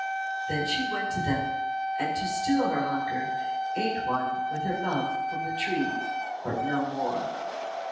Then she went to them, and to still her hunger, ate one with her mouth from the tree, but no more.